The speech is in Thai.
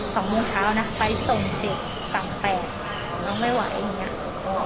สองโมงเช้านะไปส่งเจ็บสามแปดแล้วไม่ไหวอย่างเงี้ย